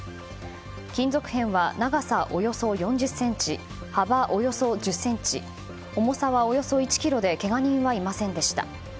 金属片は長さおよそ４０ｃｍ幅およそ１０ｃｍ重さは、およそ１ｋｇでけが人はいませんでした。